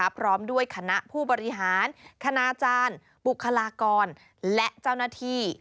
พร้อมด้วยคณะผู้บริหารคณาจารย์บุคลากรและเจ้าหน้าที่